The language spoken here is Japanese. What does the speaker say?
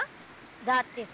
だってさ